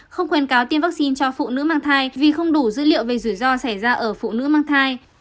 không khuyến cáo tiêm vaccine cho phụ nữ mang thai vì không đủ dữ liệu về rủi ro xảy ra ở phụ nữ mang thai